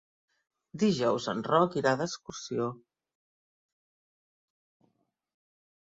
Dijous en Roc irà d'excursió.